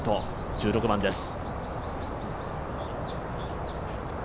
１６番です。